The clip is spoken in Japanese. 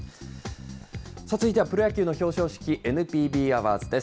続いてはプロ野球の表彰式、ＮＰＢアワーズです。